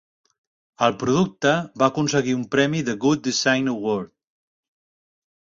El producte va aconseguir un premi de Good Design Award.